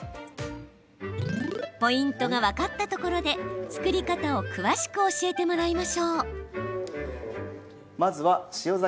ポイントが分かったところで作り方を詳しく教えてもらいましょう。